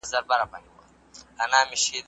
او که نه وي نو حتما به کیمیاګر یې